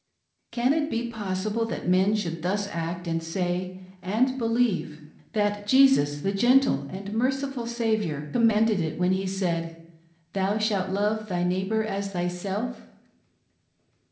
Can it be pos sible that men should thus act and say — and believe — that Jesus, the gentle and merciful Saviour, commanded it when He said : "Thou shalt love thy neighbor as thyself